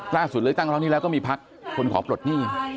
ล่าสุดเลยตั้งตั้งตอนนี้แล้วก็มีพักคนของปลดหนี้